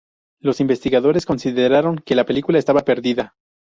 Los investigadores consideraron que la película estaba perdida.